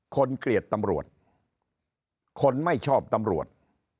เกลียดตำรวจคนไม่ชอบตำรวจ